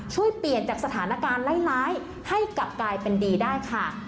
ช่วยเปลี่ยนจากสถานการณ์ร้ายให้กลับกลายเป็นดีได้ค่ะ